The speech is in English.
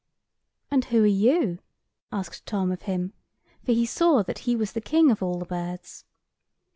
"And who are you?" asked Tom of him, for he saw that he was the king of all the birds.